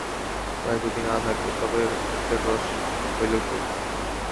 তাই যদি না থাকবে তবে সত্যের রস রইল কী?